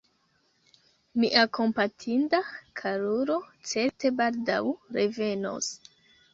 Mia kompatinda karulo certe baldaŭ revenos.